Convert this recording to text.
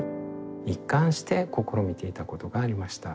一貫して試みていたことがありました。